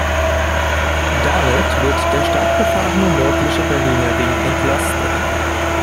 Damit wird der stark befahrene nördliche Berliner Ring entlastet.